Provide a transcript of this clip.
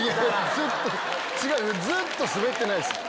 ずっとスベってないです。